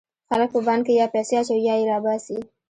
خلک په بانک کې یا پیسې اچوي یا یې را باسي.